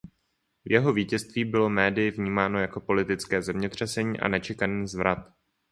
Jeho vítězství bylo médii vnímáno jako politické zemětřesení a nečekaný zvrat.